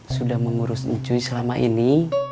sudah mengurus icu selama ini